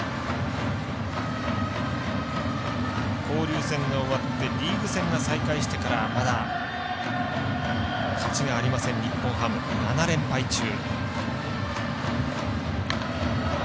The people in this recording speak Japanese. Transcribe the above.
交流戦が終わってリーグ戦が再開してからまだ勝ちがありません、日本ハム。７連敗中。